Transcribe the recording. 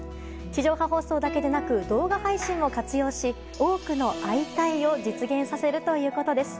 地上波放送だけでなく動画配信も活用し多くの「会いたい！」を実現させるということです。